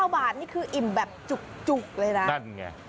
๑๖๙บาทนี่คืออิ่มแบบจุกเลยนะ